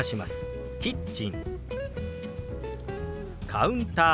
「カウンター」。